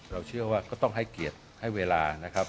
เราเชื่อว่าก็ต้องให้เกียรติให้เวลานะครับ